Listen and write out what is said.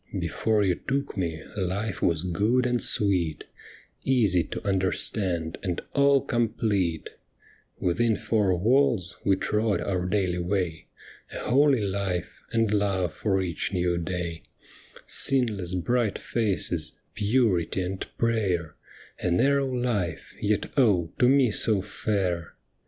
Before you took me, hfe was good and sweet, Easy to understand and all complete ; Within four walls we trod our daily way, A holy life and love for each new day : Sinless bright faces, purity and prayer, A narrow life, yet oh, to me so fair